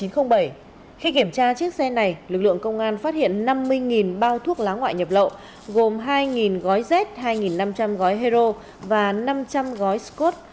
khi kiểm tra chiếc xe này lực lượng công an phát hiện năm mươi bao thuốc lá ngoại nhập lậu gồm hai gói z hai năm trăm linh gói heroin và năm trăm linh gói scot